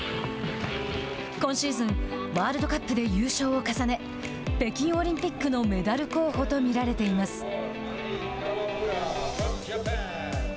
今シーズンワールドカップで優勝を重ね北京オリンピックのメダル候補と見られています。